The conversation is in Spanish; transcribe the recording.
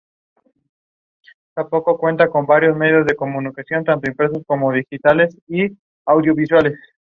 El realizó la ceremonia del podio al lado de los Dedos.